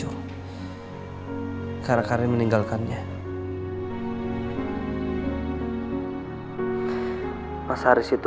rasanya lebih dekat